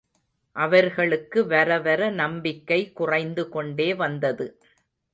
அவர்களுக்கு வர வர நம்பிக்கை குறைந்து கொண்டே வந்தது.